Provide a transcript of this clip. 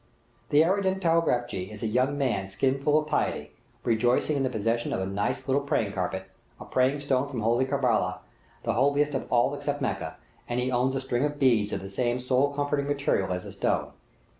The Aradan telegraph jee is a young man skin full of piety, rejoicing in the possession of a nice little praying carpet, a praying stone from holy Kerbela, the holiest of all except Mecca, and he owns a string of beads of the same soul comforting material as the stone.